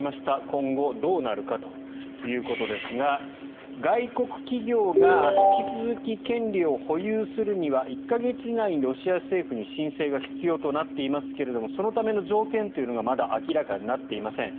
今後どうなるかということですが外国企業が引き続き、権利を保有するには１か月以内にロシア政府に申請が必要となっていますがそのための条件というのがまだ明らかになっていません。